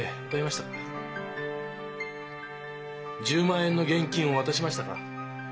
１０万円の現金を渡しましたか？